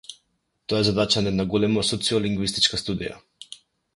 Тоа е задача на една голема социолингвистичка студија.